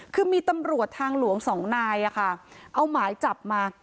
คือมีตำรวจทางหลวงสองนายเอาหมายจับมา